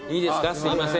すいません